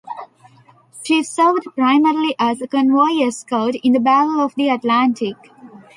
She served primarily as a convoy escort in the Battle of the Atlantic.